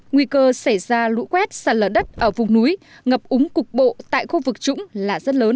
nguy cơ xảy ra lũ quét sạt lở đất ở vùng núi ngập úng cục bộ tại khu vực trũng là rất lớn